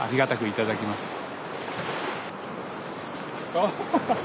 アハハハッ。